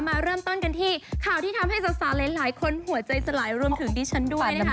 มาเริ่มต้นกันที่ข่าวที่ทำให้สาวหลายคนหัวใจสลายรวมถึงดิฉันด้วยนะคะ